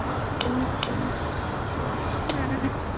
তুই মিষ্টি বানাস?